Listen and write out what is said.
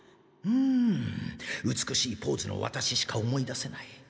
うん美しいポーズのワタシしか思い出せない。